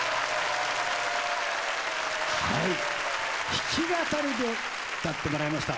弾き語りで歌ってもらいました。